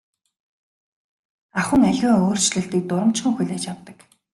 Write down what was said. Ахуйн аливаа өөрчлөлтийг дурамжхан хүлээж авдаг.